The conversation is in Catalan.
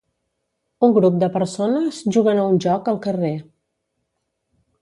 Un grup de persones juguen a un joc al carrer.